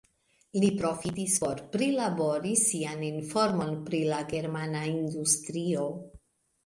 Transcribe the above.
Li profitis por prilabori sian informon pri la germana industrio.